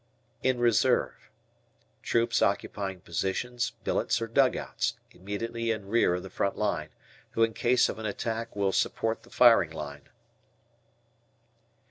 "In reserve." Troops occupying positions, billets, or dugouts, immediately in rear of the front line, who in case of an attack will support the firing line.